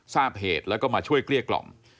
ทราบเหตุแล้วก็มาช่วยเกลี้ยกล่อม